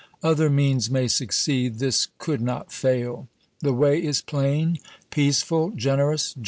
Other means may succeed, this could not fail. The way is plain, peaceful, generous.